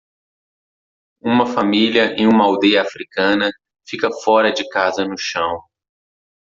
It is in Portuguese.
Uma família em uma aldeia africana fica fora de casa no chão.